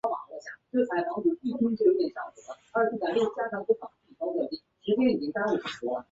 西藏扭连钱为唇形科扭连钱属下的一个种。